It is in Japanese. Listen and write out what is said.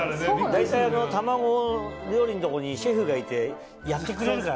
大体卵料理のとこにシェフがいてやってくれるからね。